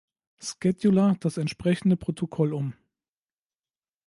Scheduler das entsprechende Protokoll um.